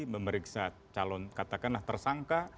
memeriksa calon katakanlah tersangka